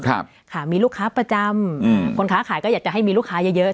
ครับค่ะมีลูกค้าประจำอืมคนค้าขายก็อยากจะให้มีลูกค้าเยอะเยอะ